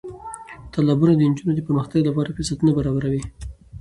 تالابونه د نجونو د پرمختګ لپاره فرصتونه برابروي.